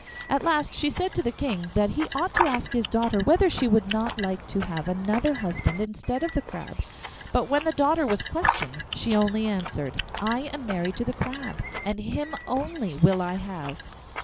At last she said to the King that he ought to ask his daughter whether she would not like to have another husband instead of the Crab? But when the daughter was questioned she only answered: 'I am married to the Crab, and him only will I have.